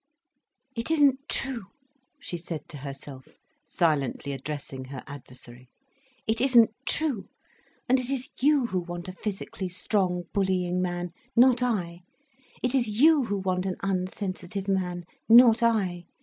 "It isn't true," she said to herself, silently addressing her adversary. "It isn't true. And it is you who want a physically strong, bullying man, not I. It is you who want an unsensitive man, not I.